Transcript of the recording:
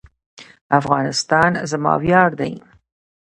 افغانستان زما ویاړ دی